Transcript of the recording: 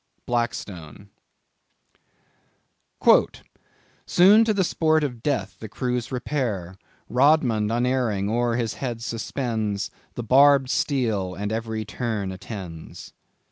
—Blackstone. "Soon to the sport of death the crews repair: Rodmond unerring o'er his head suspends The barbed steel, and every turn attends."